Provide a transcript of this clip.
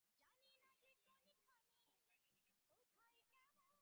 এখন পর্যন্ত এমন কোনো তথ্য পাওয়া যায় নি, যেটা তাঁর কোনো কাজে আসবে।